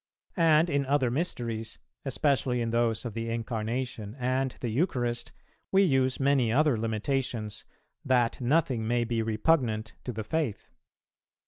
And in other mysteries, especially in those of the Incarnation and the Eucharist, we use many other limitations, that nothing may be repugnant to the Faith.